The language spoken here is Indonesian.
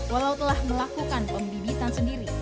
walau telah melakukan pembibitan sendiri